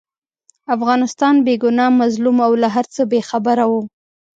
افغانستان بې ګناه، مظلوم او له هرڅه بې خبره وو.